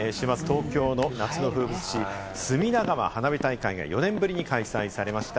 週末、東京の夏の風物詩・隅田川花火大会が４年ぶりに開催されました。